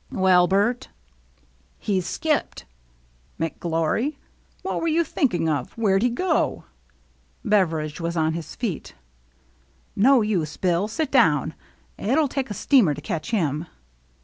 "Well, Bert —" "He's skipped!" " McGIory ? What were you thinking of? Where'd he go ?" Beveridge was on his feet. "No use. Bill; sit down. It'll take a steamer to catch him."